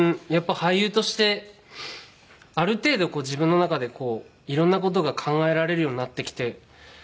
やっぱり俳優としてある程度自分の中でこう色んな事が考えられるようになってきて。